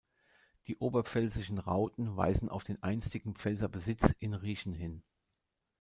Die oberpfälzischen Rauten weisen auf den einstigen Pfälzer Besitz in Richen hin.